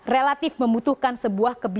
relatif membutuhkan sebuah transaksi